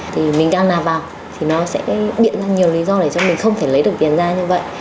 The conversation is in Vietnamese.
thì mình đang nạp vào thì nó sẽ biện ra nhiều lý do để cho mình không thể lấy được tiền ra như vậy